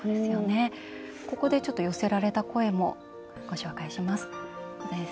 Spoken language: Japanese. ここで、寄せられた声もご紹介します。